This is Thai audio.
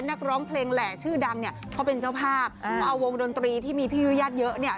นักร้องเพลงแหล่ชื่อดังเขาเป็นเจ้าภาพเอาวงดนตรีที่มีพิวญาติเยอะ